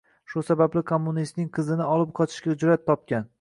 Shu sababli kommunistning qizini olib qochishga jur’at topgan.